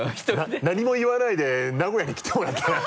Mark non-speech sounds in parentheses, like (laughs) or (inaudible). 何も言わないで名古屋に来てもらったら (laughs)